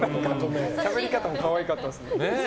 しゃべり方も可愛かったです。